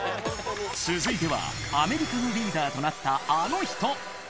続いては、アメリカのリーダーとなったあの人。